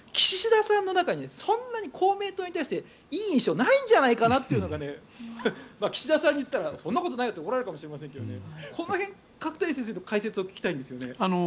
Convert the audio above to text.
岸田さんの中にそんなに公明党に対していい印象がないんじゃないのかなというのが岸田さんに言ったらそんなことないよって怒られるかもしれませんがこの辺、角谷先生の解説を聞きたいんです。